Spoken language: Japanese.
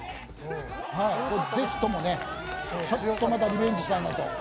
ぜひともちょっとまたリベンジしたいなと。